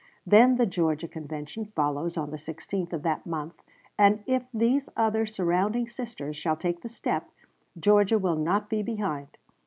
Then the Georgia Convention follows on the 16th of that month; and if these other surrounding sisters shall take the step, Georgia will not be behind